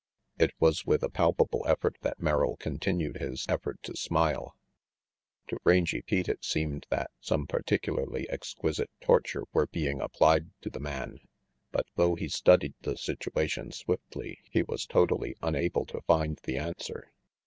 It was with a palpable effort that Merrill con tinued his effort to smile. To Rangy Pete it seemed that some particularly exquisite torture were being applied to the man, but though he studied the situation swiftly he was totally unable to find the answer.